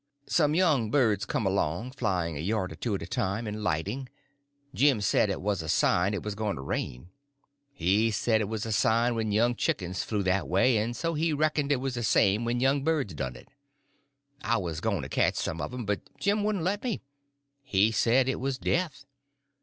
Some young birds come along, flying a yard or two at a time and lighting. Jim said it was a sign it was going to rain. He said it was a sign when young chickens flew that way, and so he reckoned it was the same way when young birds done it. I was going to catch some of them, but Jim wouldn't let me. He said it was death.